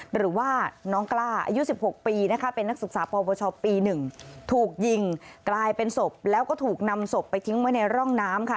หรือว่าน้องกล้าอายุ๑๖ปีนะคะเป็นนักศึกษาปวชปี๑ถูกยิงกลายเป็นศพแล้วก็ถูกนำศพไปทิ้งไว้ในร่องน้ำค่ะ